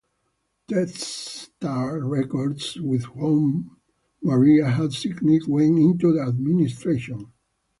Telstar Records, with whom Maria had signed, went into administration.